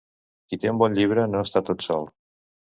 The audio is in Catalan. Qui té un bon llibre no està tot sol.